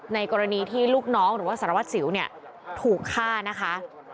ในกรณีที่ลูกน้องหรือว่าสารวัตรสิวเนี่ยถูกฆ่านะคะ